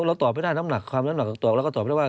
เราตอบไม่ได้น้ำหนักความน้ำหนักตอบเราก็ตอบได้ว่า